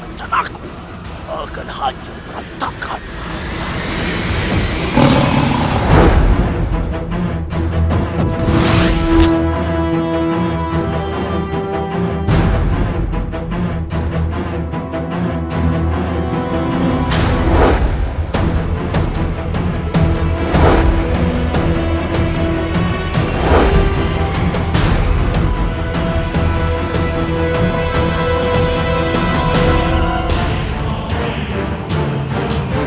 allah bahwa kumandangkan bisa menjauhkan